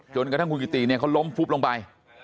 กระทั่งคุณกิติเนี่ยเขาล้มฟุบลงไป